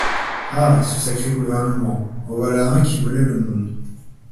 Ah! ce sacré gouvernement ! en voilà un qui volait le monde !